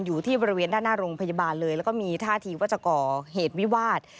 อยู่ที่บริเวณด้านหน้าโรงพยาบาลเลยแล้วก็มีท่าทีว่าจะก่อเหตุวิวาส